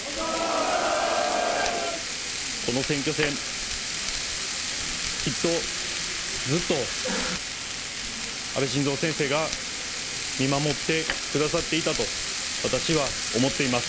この選挙戦、きっと、ずっと、安倍晋三先生が見守ってくださっていたと私は思っています。